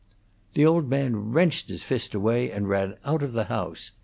The old man wrenched his fist away and ran out of the house.